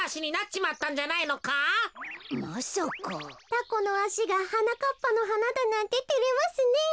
タコノアシがはなかっぱのはなだなんててれますねえ。